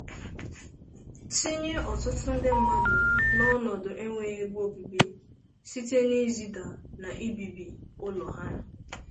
tinye ọtụtụ mmadụ n'ọnọdụ enweghị ebe obibi site n'izedà na ibibì ụlọ ha